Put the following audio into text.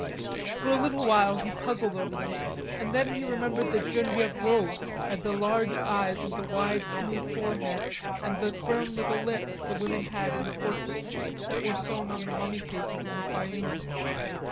For a little while he puzzled over them, and then he remembered that Genevieve Rod had the large eyes and the wide, smooth forehead and the firm little lips the women had in the portraits that were sewn on the mummy cases in the Fayum.